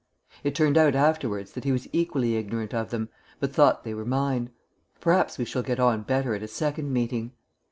It turned out afterwards that he was equally ignorant of them, but thought they were mine. Perhaps we shall get on better at a second meeting.